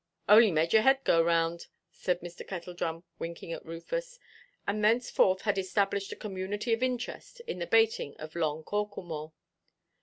"Only made your head go round," said Mr. Kettledrum, winking at Rufus; and thenceforth had established a community of interest in the baiting of "long Corklemore."